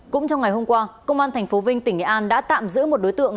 cũng trong ngày hôm qua công an tp vinh tỉnh nghệ an đã tạm giữ một đối tượng